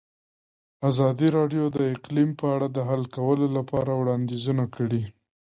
ازادي راډیو د اقلیم په اړه د حل کولو لپاره وړاندیزونه کړي.